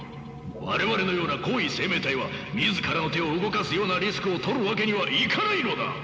我々のような高位生命体は自らの手を動かすようなリスクをとるわけにはいかないのだ！